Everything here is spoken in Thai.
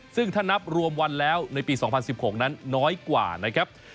ซึ่งถ้านับรวมวันแล้วในปี๒๐๑๖นั้นน้อยกว่านะครับ